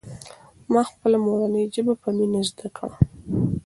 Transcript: ما خپله مورنۍ ژبه په مینه زده کړه.